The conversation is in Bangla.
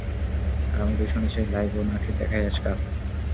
আর আমি তো শুনেছি, লাইভও নাকি দেখায় আজকাল।